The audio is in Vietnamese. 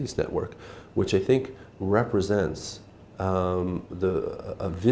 sẽ rất hài hòa vì